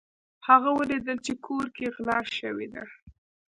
هغه ولیدل چې کور کې غلا شوې ده.